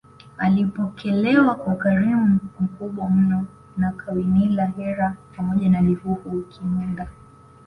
Alipokelewa kwa ukarimu mkubwa mno na Kawinila Hyera pamoja na Lihuhu Kinunda